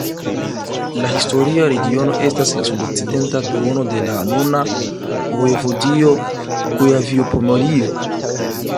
La historia regiono estas la sudokcidenta duono de la nuna vojevodio Kujavio-Pomerio.